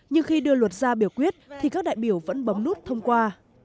nhưng khi đưa luật ra biểu quyết thì các đại biểu vẫn bấm nút thông qua